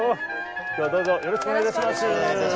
今日はどうぞよろしくお願い致します。